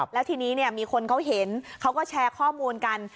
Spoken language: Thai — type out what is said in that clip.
แล้วทีนี้มีคนเขาเห็นเขาก็แชร์ข้อมูลกัน